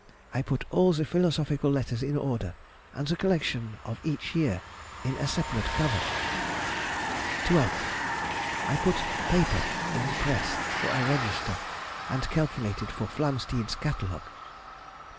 _—I put all the philosophical letters in order, and the collection of each year in a separate cover. 12th.—I put paper in press for a register, and calculated for Flamsteed's Catalogue. _Mem.